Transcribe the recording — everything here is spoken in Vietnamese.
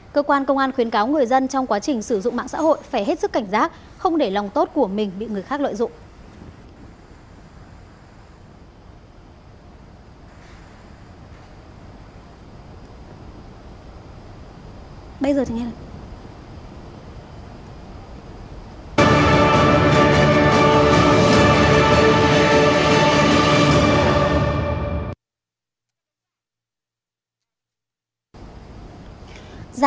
cơ quan công an khuyến cáo người dân trong quá trình sử dụng mạng xã hội phải hết sức cảnh giác không để lòng tốt của mình bị người khác lợi dụng